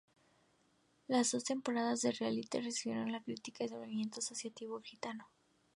Las dos temporadas del reality recibieron las críticas desde el movimiento asociativo gitano.